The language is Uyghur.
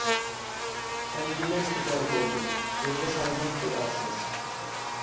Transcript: ئەمدى مەن كېتەر بولدۇم، يولغا سالماڭ دۇئاسىز.